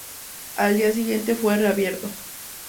Al día siguiente fue reabierto.